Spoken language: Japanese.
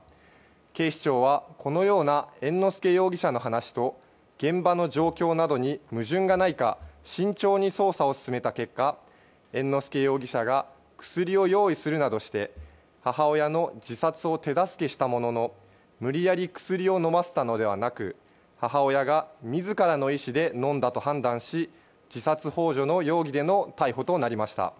警視庁は、このような猿之助容疑者の話と現場の状況などに矛盾がないか慎重に捜査を進めた結果猿之助容疑者が薬を用意するなどして母親の自殺を手助けしたものの無理やり薬を飲ませたのではなく母親が自らの意思で飲んだと判断し自殺幇助の容疑での逮捕となりました。